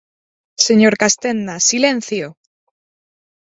Señor Castenda, ¡silencio!